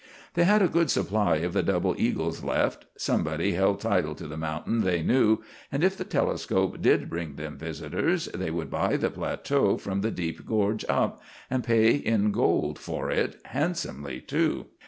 They had a good supply of the double eagles left. Somebody held title to the mountain, they knew; and if the telescope did bring them visitors, they could buy the plateau from the deep gorge up, and pay in gold for it handsomely, too.